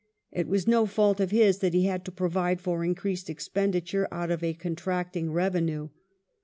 It was no fault of his that he had to provide for increased expenditure out of a contracting revenue.